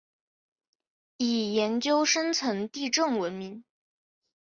以研究深层地震闻名。